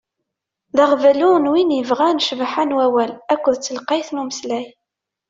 D aɣbalu i win yebɣan ccbaḥa n wawal akked telqayt n umeslay.